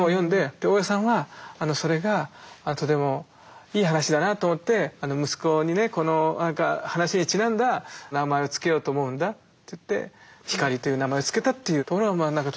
で大江さんはそれがとてもいい話だなと思って息子にねこの話にちなんだ名前を付けようと思うんだっていって光という名前を付けたというところがとても心をうつと。